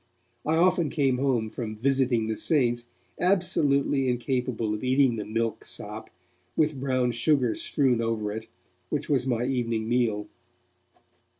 I often came home from 'visiting the saints' absolutely incapable of eating the milk sop, with brown sugar strewn over it, which was my evening meal.